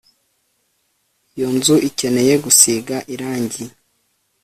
iyo nzu ikeneye gusiga irangi